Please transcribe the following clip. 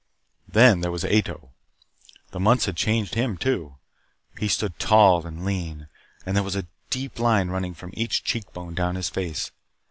Then there was Ato. The months had changed him too. He stood tall and lean, and there was a deep line running from each cheekbone down his face.